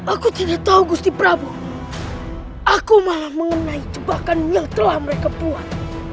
aku tidak tahu gusti prabu aku malah mengenai jebakan yang telah mereka buat